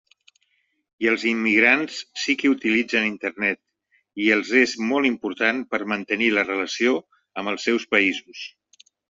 I els immigrants sí que utilitzen Internet i els és molt important per mantenir la relació amb els seus països.